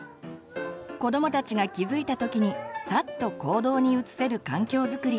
子どもたちが気づいたときにさっと行動に移せる環境づくり